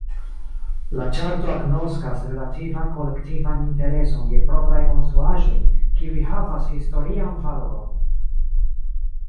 La ĉarto agnoskas relativan kolektivan intereson je propraj konstruaĵoj, kiuj havas historian valoron.